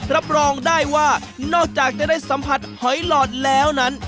รับรองได้ว่านอกจากจะได้สัมผัสหอยหลอดแล้วนั้น